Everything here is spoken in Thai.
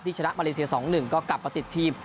ชนะมาเลเซีย๒๑ก็กลับมาติดทีม